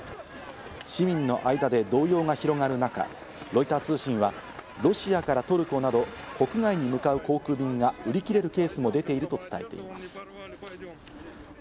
市民の間で動揺が広がる中、ロイター通信はロシアからトルコなど、国外に向かう航空便が売り切れるケースも出ていると伝えています。